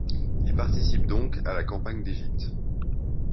Il participe donc à la Campagne d'Égypte.